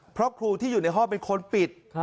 เพราะครูที่อยู่ในห้องเป็นคนปิด